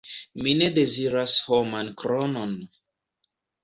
Mi ne deziras homan kronon.